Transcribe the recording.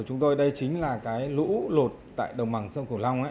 chúng tôi đây chính là cái lũ lụt tại đồng bằng sông cửu long